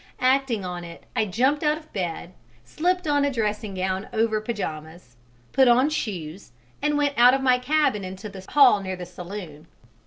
Acting on it, I jumped out of bed, slipped on a dressing gown over pyjamas, put on shoes, and went out of my cabin into the hall near the saloon.